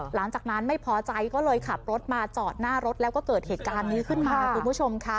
หลังจากนั้นไม่พอใจก็เลยขับรถมาจอดหน้ารถแล้วก็เกิดเหตุการณ์นี้ขึ้นมาคุณผู้ชมค่ะ